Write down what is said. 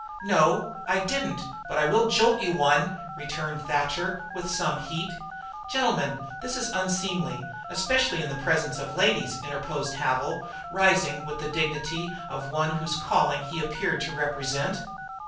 "No, I didn't, but I will jolt you one," returned Thatcher, with some heat. "Gentlemen, this is unseemly, especially in the presence of ladies," interposed Havil, rising with the dignity of one whose calling he appeared to represent.